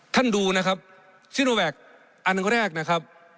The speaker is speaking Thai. ท่านดูนะครับซิโนแวคอันแรกนะครับ